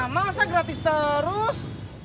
masa gratis terus